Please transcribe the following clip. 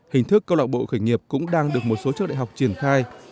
hình thức câu lạc bộ khởi nghiệp cũng đang được một số trường đại học triển khai